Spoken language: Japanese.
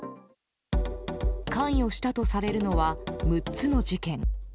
関与したとされるのは６つの事件。